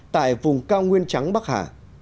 tại vùng cao nguyên trắng bắc hà